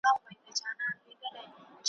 د بې عقل جواب سکوت دئ `